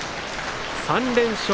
３連勝。